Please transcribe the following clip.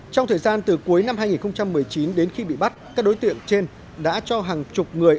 trong thời gian từ cuối năm hai nghìn một mươi chín đến khi bị bắt các đối tượng trên đã cho hàng chục người